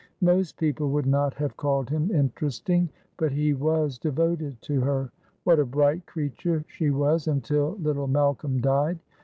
Most people would not have called him interesting, but he was devoted to her. What a bright creature she was until little Malcolm died.